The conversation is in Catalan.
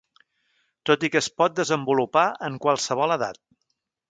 Tot i que es pot desenvolupar en qualsevol edat.